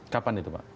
kapan itu pak